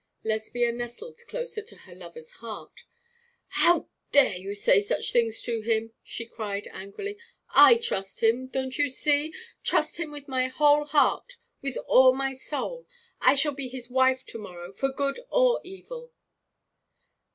Lesbia nestled closer to her lover's heart. 'How dare you say such things to him,' she cried, angrily. 'I trust him, don't you see; trust him with my whole heart, with all my soul. I shall be his wife to morrow, for good or evil.'